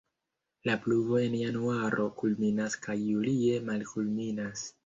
La pluvo en januaro kulminas kaj julie malkulminas.